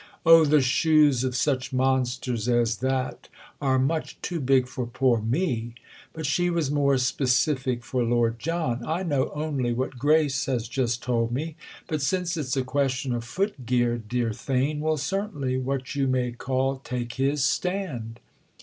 "Oh, the shoes of such monsters as that are much too big for poor me!" But she was more specific for Lord John. "I know only what Grace has just told me; but since it's a question of footgear dear Theign will certainly—what you may call—take his stand!"